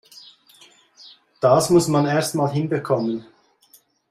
Das muss man erst mal hinbekommen!